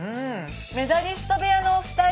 メダリスト部屋のお二人。